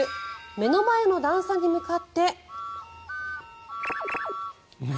目の前の段差に向かって。